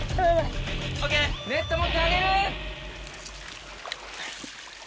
ネット持って上げる！